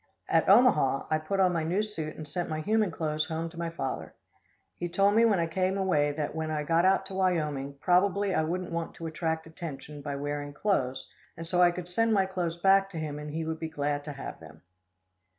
At Omaha I put on my new suit and sent my human clothes home to my father. He told me when I came away that when I got out to Wyoming, probably I wouldn't want to attract attention by wearing clothes, and so I could send my clothes back to him and he would be glad to have them.